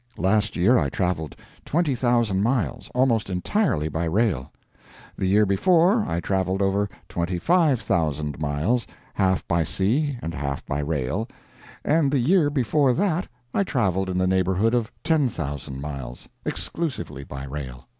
Last year I traveled twenty thousand miles, almost entirely by rail; the year before, I traveled over twenty five thousand miles, half by sea and half by rail; and the year before that I traveled in the neighborhood of ten thousand miles, exclusively by rail.